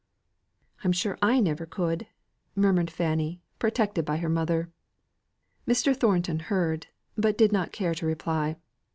"I'm sure I never could!" murmured Fanny, protected by her mother. Mr. Thornton heard, but did not care to reply.